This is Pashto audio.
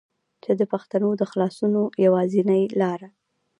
چې دې پښتنو د خلاصونو يوازينۍ لاره